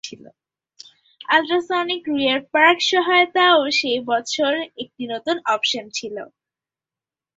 Ultrasonic rear park সহায়তাও সেই বছর একটি নতুন অপশন ছিল।